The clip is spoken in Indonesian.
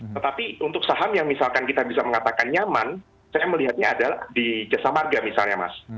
tetapi untuk saham yang misalkan kita bisa mengatakan nyaman saya melihatnya adalah di jasa marga misalnya mas